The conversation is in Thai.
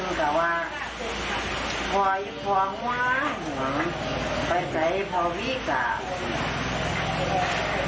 ตอนนั้นว่าเราจึงกับว่าพ่ออีกความหวงหวงไปใส่พ่อบีก่าว